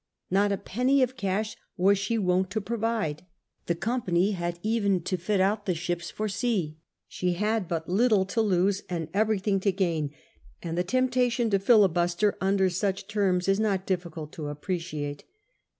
Not a penny of cash was she wont to provide. The Company had even to fit out the ships for sea. She had but little to lose and everything to gain, and the temptation to filibuster under such terms is not difficult to appreciate.